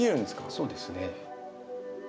そうですね。